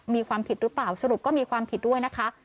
มีความผิดหรือเปล่าสรุปก็มีความผิดด้วยนะคะ